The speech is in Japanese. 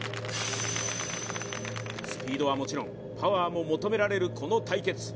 スピードはもちろん、パワーも求められるこの対決。